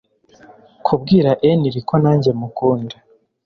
kubwira Henry ko nanjye mukunda